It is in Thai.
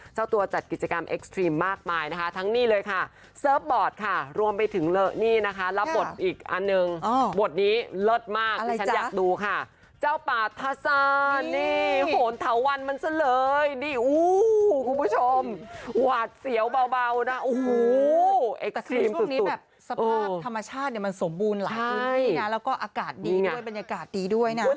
สภาพธรรมชาติมันสมบูรณ์หลายทุกที่นะแล้วก็อากาศดีด้วยบรรยากาศดีด้วยนะ